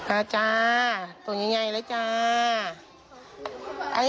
อ่าจ้าตัวใหญ่แล้วจ้า